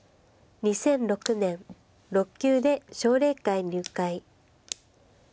２００６年６級で奨励会入会。